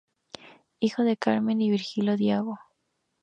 Hijo de Carmen y Virgilio Diago.